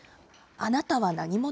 あなたは何者？